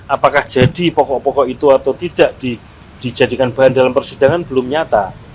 apakah jadi pokok pokok itu atau tidak dijadikan bahan dalam persidangan belum nyata